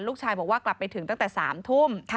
ลูกชายบอกว่ากลับไปถึงตั้งแต่๓ทุ่ม